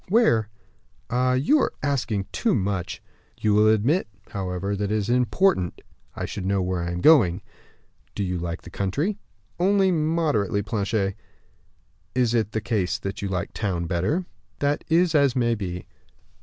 "Where?" "Ah, you are asking too much." "You will admit, however, that it is important I should know where I am going." "Do you like the country?" "Only moderately, Planchet." "In that case you like town better?" "That is as may be."